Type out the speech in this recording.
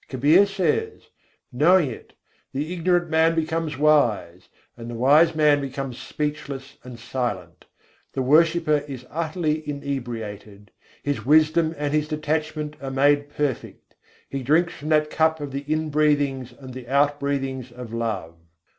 Kabîr says: "Knowing it, the ignorant man becomes wise, and the wise man becomes speechless and silent, The worshipper is utterly inebriated, His wisdom and his detachment are made perfect; He drinks from the cup of the inbreathings and the outbreathings of love."